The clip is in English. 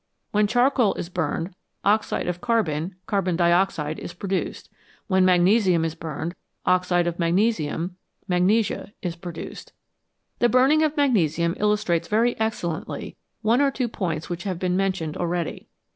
When charcoal is burned, oxide of carbon (carbon dioxide) is produced ; when magnesium is burned, oxide of magnesium (magnesia) is produced. The burning of magnesium illustrates very excellently 114 PRODUCTION OF LIGHT AND HEAT one or two points which have been mentioned already.